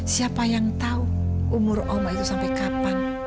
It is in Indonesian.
siapa yang tahu umur oma itu sampai kapan